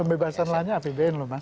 pembebasan lahan nya apbn loh mas